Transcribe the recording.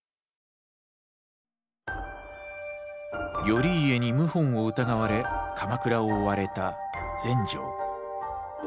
頼家に謀反を疑われ鎌倉を追われた全成。